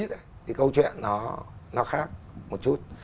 thì câu chuyện nó khác một chút